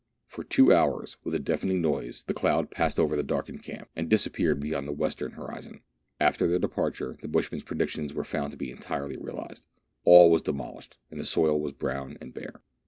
For two hours, with a deafening noise, the cloud passed over the darkened camp, and disappeared beyond the western horizon. After their departure the bushman's predictions were found to be entirely realized. All was demolished, and the soil was brown and bare.